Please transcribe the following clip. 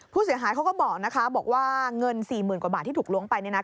ผู้เสียหายเขาก็บอกนะคะบอกว่าเงิน๔๐๐๐๐กว่าบาทที่ถูกล้วงไปในนั้น